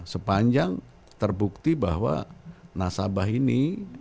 sepanjang terbukti bahwa nasabah ini